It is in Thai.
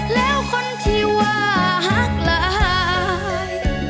แล้วคนที่ว่าฮักหลาย